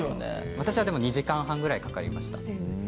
私は２時間半ぐらいかかりました。